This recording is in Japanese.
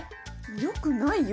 よくないよ。